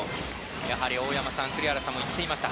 やはり大山さん栗原さんも言っていました